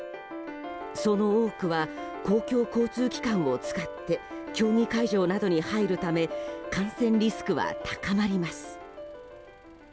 その多くは公共交通機関を使って競技会場などに入るため感染リスクは高まります。